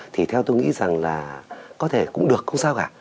thì theo tôi nghĩ rằng là có thể cũng được không giao cả